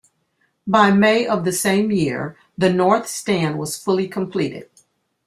By May of the same year the north stand was fully completed.